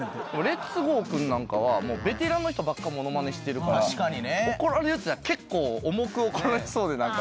レッツゴー君なんかはベテランの人ばっかものまねしてるから怒られるって結構重く怒られそうで何か。